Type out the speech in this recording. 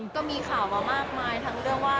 ก็มีข่าวมามากมายทั้งเรื่องว่า